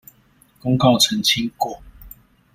公告澄清過